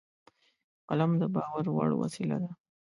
قلم د باور وړ وسیله ده